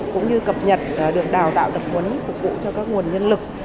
cũng như cập nhật được đào tạo tập huấn phục vụ cho các nguồn nhân lực